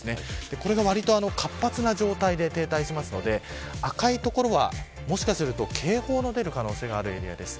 これがわりと活発な状態で停滞するので赤い所は、もしかすると警報が出る可能性があるエリアです。